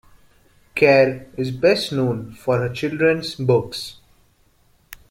Kerr is best known for her children's books.